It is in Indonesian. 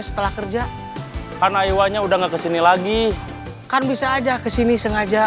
setelah kerja karena iwannya udah enggak kesini lagi kan bisa aja kesini sengaja